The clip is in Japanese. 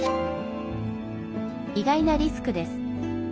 意外なリスクです。